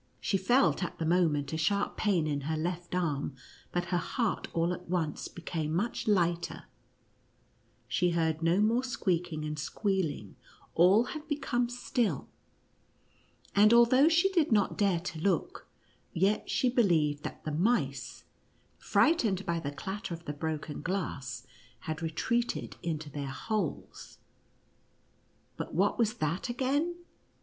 She NUTCRACKER AND MOUSE KING. 35 felt at the moment a sharp pain in her left arm, but her heart all at once became much lighter, she heard no more squeaking and squealing, all had become still, and although she did not dare to look, yet she believed that the mice, fright ened by the clatter of the broken glass, had re treated into their holes. But what was that again